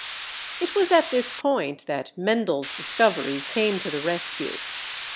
1 Manitoba] It was at this point that Mendel's discoveries came to the rescue.